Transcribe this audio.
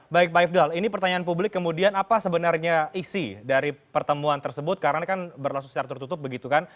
baik pak ifdal ini pertanyaan publik kemudian apa sebenarnya isi dari pertemuan tersebut karena kan berlangsung secara tertutup begitu kan